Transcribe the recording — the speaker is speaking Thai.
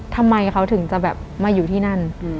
ทำไมเขาถึงจะแบบมาอยู่ที่นั่น